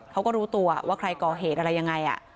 เขาก็รู้ตัวว่าใครก่อเหตุอะไรยังไง